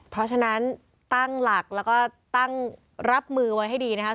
เพราะฉะนั้นตั้งหลักแล้วก็ตั้งรับมือไว้ให้ดีนะครับ